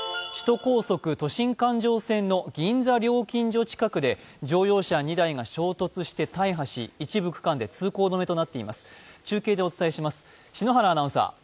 首都高速都心環状線の銀座料金所近くで乗用車２台が衝突して大破し、一部区間で通行止めとなっています。